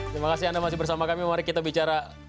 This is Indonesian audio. terima kasih anda masih bersama kami mari kita bicara